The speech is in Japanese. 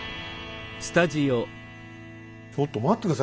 ちょっと待って下さい！